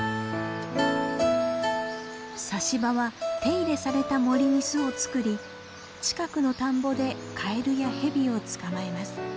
サシバは手入れされた森に巣を作り近くの田んぼでカエルやヘビを捕まえます。